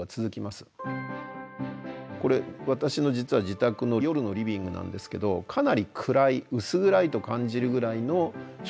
これ私の実は自宅の夜のリビングなんですけどかなり暗い薄暗いと感じるぐらいの照明にしてます。